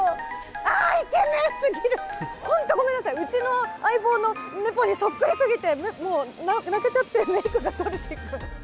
あー、イケメンすぎる、本当、ごめんなさい、うちの相棒の猫にそっくりすぎて、もう、泣けちゃって、メークが取れていく。